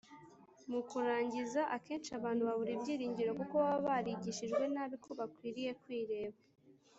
Mu kurangiza , akenshi abantu babura ibyiringiro kuko baba barigishijwe nabi ko bakwiriye kwireba